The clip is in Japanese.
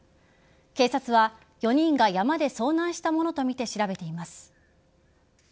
警察は４人が山で遭難したものとみて調べています。